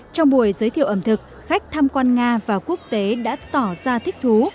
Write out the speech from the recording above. trong buổi giới thiệu ẩm thực khách tham quan nga và quốc tế đã tỏ ra thích thú